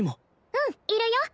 うんいるよ